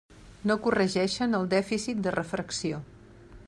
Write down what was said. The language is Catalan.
No corregeixen el dèficit de refracció.